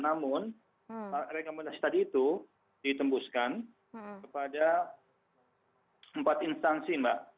namun rekomendasi tadi itu ditembuskan kepada empat instansi mbak